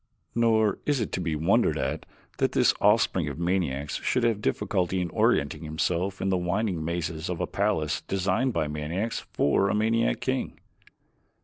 Nor is it to be wondered at that this offspring of maniacs should have difficulty in orienting himself in the winding mazes of a palace designed by maniacs for a maniac king.